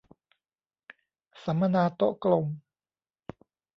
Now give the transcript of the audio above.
สัมมนาโต๊ะกลม